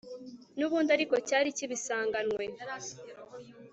n'ubundi ariko cyari kibisanganywe